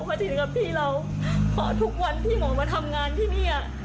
มาฉีดกับพี่เราเพราะทุกวันที่หมอมาทำงานที่เนี้ย